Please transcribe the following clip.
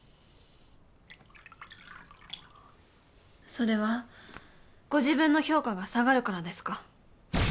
それはご自分の評価が下がるからですか？